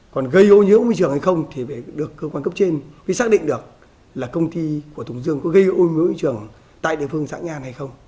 còn gây ô nhớ môi trường hay không thì phải được cơ quan cấp trên phải xác định được là công ty của tùng dương có gây ô nhớ môi trường tại địa phương xã nga này hay không